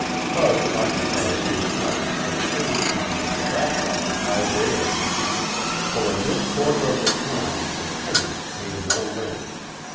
Tug occupies his house for the same reason that the rats occupy theirs, for in this quarter of the town the tenants pay no rent.